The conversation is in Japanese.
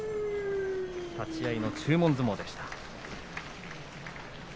立ち合いの注文相撲でした。